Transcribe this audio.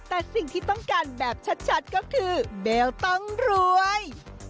แต่สิ่งที่ต้องการแบบชัดก็คือเบลต้องรวย